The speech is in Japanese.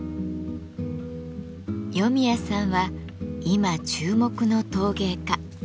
余宮さんは今注目の陶芸家。